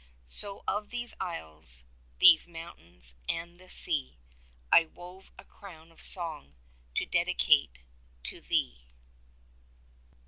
So of these isles, these mountains, and this sea, I wove a crown of song to dedicate to thee.